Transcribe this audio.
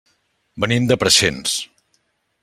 Venim de Preixens.